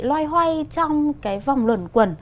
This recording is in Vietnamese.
loay hoay trong cái vòng luẩn quẩn